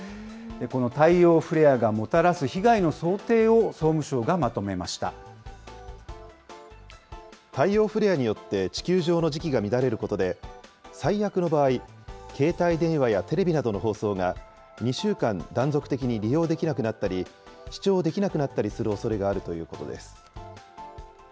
この太陽フレアがもたらす被害の太陽フレアによって、地球上の磁気が乱れることで、最悪の場合、携帯電話やテレビなどの放送が２週間、断続的に利用できなくなったり、視聴できなくなったりするおそれがあるということです。